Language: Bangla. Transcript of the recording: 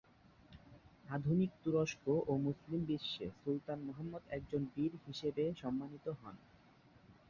আধুনিক তুরস্ক ও মুসলিম বিশ্বে সুলতান মুহাম্মদ একজন বীর হিসেবে সম্মানিত হন।